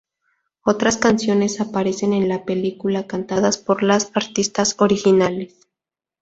Otras canciones aparecen en la película cantadas por los artistas originales.